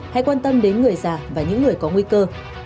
hãy quan tâm đến người già và những người có nguy cơ